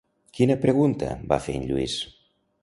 Quina pregunta va fer en Lluís?